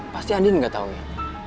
pasti andien gak tau ya